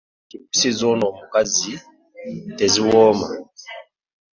Kipusi zoono omukazi teziwooma.